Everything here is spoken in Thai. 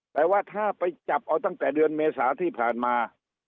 แต่ว่าถ้าไปจับเอาตั้งแต่เดือนเมษาที่ผ่านมา